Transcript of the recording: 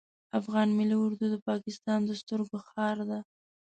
افغان ملی اردو د پاکستان د سترګو خار ده